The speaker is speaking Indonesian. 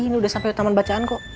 ini udah sampai taman bacaan kok